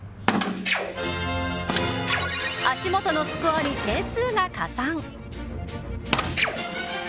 足元のスコアに点数が加算。